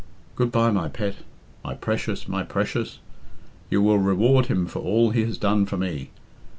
Good bye, my pet! My precious, my precious! You will reward him for all he has done for me.